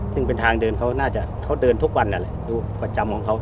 ซึ่งเป็นทางเดินเขาน่าจะเขาเดินทุกวันนั่นแหละดูประจำของเขา